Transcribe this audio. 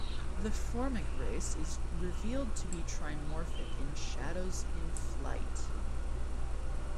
The Formic race is revealed to be trimorphic in "Shadows in Flight".